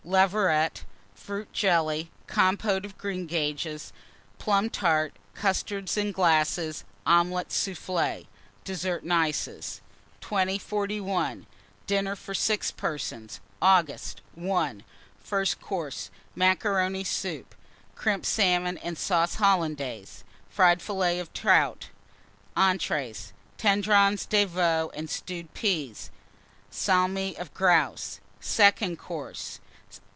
Leveret. Fruit Jelly. Compote of Greengages. Plum Tart. Custards, in glasses. Omelette soufflé. DESSERT AND ICES. 2041. DINNER FOR 6 PERSONS (August). I. FIRST COURSE. Macaroni Soup. Crimped Salmon and Sauce Hollandaise. Fried Fillets of Trout. ENTREES. Tendrons de Veau and Stewed Peas. Salmi of Grouse. SECOND COURSE.